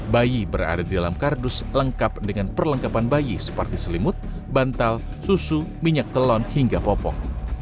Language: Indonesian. bayi berada di dalam kardus lengkap dengan perlengkapan bayi seperti selimut bantal susu minyak telon hingga popok